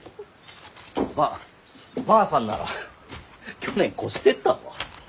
ばばあさんなら去年越してったぞ。